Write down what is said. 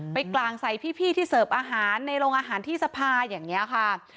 กลางใส่พี่ที่เสิร์ฟอาหารในโรงอาหารที่สภาอย่างนี้ค่ะ